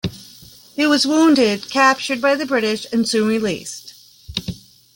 He was wounded, captured by the British, and soon released.